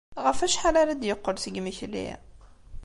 Ɣef wacḥal ara d-yeqqel seg yimekli?